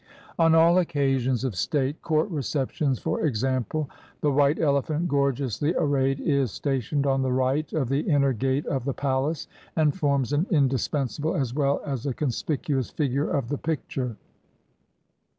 On all occasions of state, — court receptions, for ex ample, — the white elephant, gorgeously arrayed, is sta tioned on the right of the inner gate of the palace, and forms an indispensable as well as a conspicuous figure of the picture.